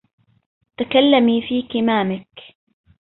تكلمي في كمامك